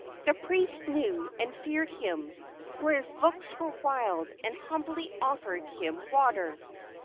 The priest knew and feared him, for his looks were wild, and humbly offered him water.